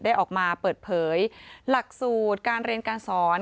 ออกมาเปิดเผยหลักสูตรการเรียนการสอน